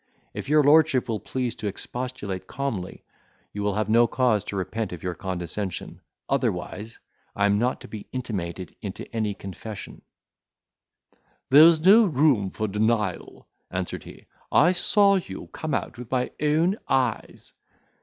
If your lordship will please to expostulate calmly, you will have no cause to repent of your condescension; otherwise I am not to be intimated into any confession." "There is no room for denial," answered he; "I saw you come out with my own eyes."